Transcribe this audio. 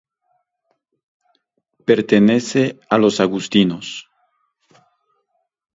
Pertenece a los agustinos.